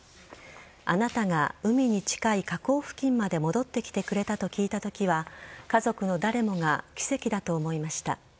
あなたが海に近い河口付近まで戻ってきてくれたと聞いたときは家族の誰もが奇跡だと思いました。